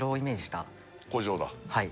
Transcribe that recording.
はい